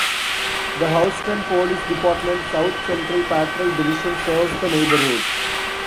The Houston Police Department's South Central Patrol Division serves the neighborhood.